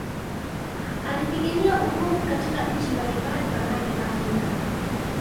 Alipigania uhuru katika nchi mbali mbali barani Afrika